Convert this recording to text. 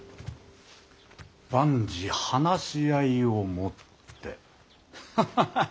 万事話し合いをもってハッハッハッハッ。